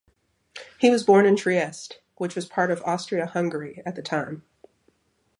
He was born in Trieste, which was part of Austria-Hungary at the time.